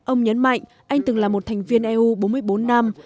ông nhấn mạnh anh từng là một thành viên eu bốn mươi bốn năm